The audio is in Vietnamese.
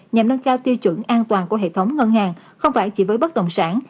nhằm nâng cao tiêu chuẩn an toàn của hệ thống ngân hàng không phải chỉ với bất động sản